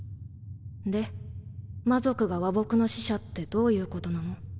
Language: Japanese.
で魔族が和睦の使者ってどういうことなの？